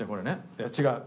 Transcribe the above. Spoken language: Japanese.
いや違う。